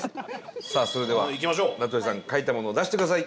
さあそれでは名取さん書いたものを出してください。